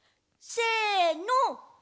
せの！